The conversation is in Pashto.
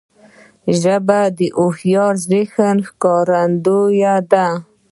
ژبه د هوښیار ذهن ښکارندوی ده